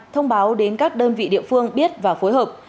thông báo đến các đơn vị địa phương biết và phối hợp